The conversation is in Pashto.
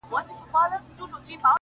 • اوس يې څنگه ښه له ياده وباسم؛